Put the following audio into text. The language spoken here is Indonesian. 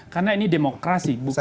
karena ini demokrasi bukan sistem